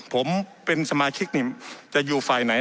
ผมเป็นสมาชิกนี่จะอยู่ฝ่ายไหน